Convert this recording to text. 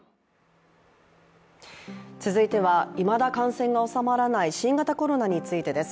続いてはいまだ感染が収まらない新型コロナについてです。